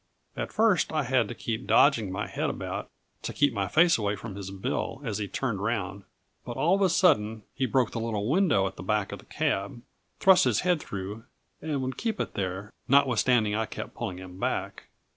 At first, I had to keep dodging my head about, to keep my face away from his bill as he turned round; but all of a sudden he broke the little window at the back of the cab, thrust his head through, and would keep it there, notwithstanding I kept pulling him back.